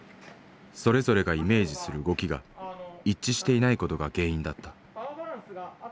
それぞれがイメージする動きが一致していないことが原因だった。